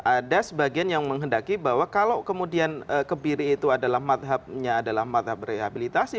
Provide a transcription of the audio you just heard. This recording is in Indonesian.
ada sebagian yang menghendaki bahwa kalau kemudian kebiri itu adalah madhabnya adalah madhab rehabilitasi